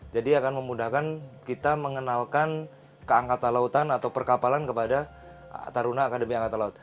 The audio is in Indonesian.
jadi akan memudahkan kita mengenalkan keangkatan lautan atau perkapalan kepada taruna akademi angkatan laut